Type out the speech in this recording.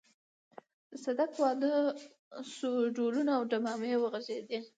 د صدک واده شو ډهلونه او ډمامې وغږېدې.